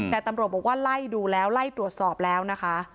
แต่ตำรวจบอกว่าไล่ดูแล้วไล่ตรวจสอบแล้วนะคะ